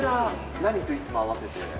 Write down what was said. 何といつも合わせて？